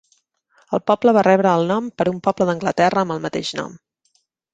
El poble va rebre el nom per un poble d'Anglaterra amb el mateix nom.